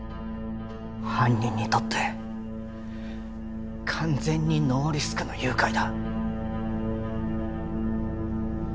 犯人にとって完全にノーリスクの誘拐だ